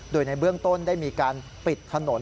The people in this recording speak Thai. โดยในเบื้องต้นได้มีการปิดถนน